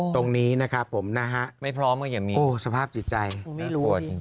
ตรงนี้นะครับผมนะฮะไม่พร้อมก็ยังมีโอ้สภาพจิตใจโอ้ไม่รู้อ่ะพี่